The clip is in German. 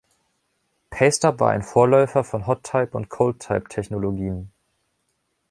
Paste-up war ein Vorläufer von Hot-Type- und Cold-Type-Technologien.